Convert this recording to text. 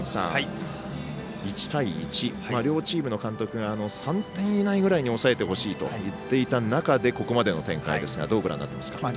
両チームの監督が３点以内ぐらいに抑えてほしいと言っていた中でここまでの展開ですがどうご覧になっていますか？